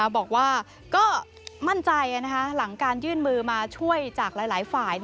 บอกว่าก็มั่นใจหลังการยื่นมือมาช่วยจากหลายฝ่าย